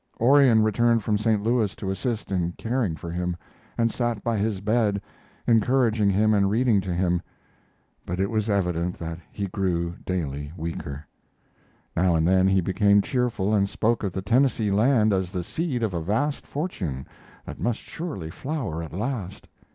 Orion returned from St. Louis to assist in caring for him, and sat by his bed, encouraging him and reading to him, but it was evident that he grew daily weaker. Now and then he became cheerful and spoke of the Tennessee land as the seed of a vast fortune that must surely flower at last.